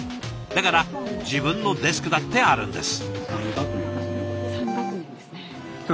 だから自分のデスクだってあるんです。